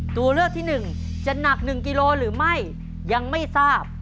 ตัวเลือกที่๑จะหนัก๑กิโลหรือไม่ยังไม่ทราบ